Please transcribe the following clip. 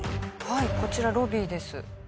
はいこちらロビーです。